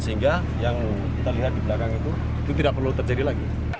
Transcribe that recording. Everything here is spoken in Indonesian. sehingga yang kita lihat di belakang itu itu tidak perlu terjadi lagi